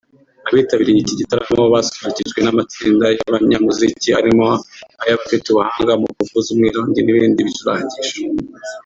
Abitabiriye iki gitaramo basusurukijwe n’amatsinda y’abanyamuziki arimo ay’abafite ubuhanga mu kuvuza umwirongi n’ibindi bicurangisho